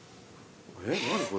えっ何これ。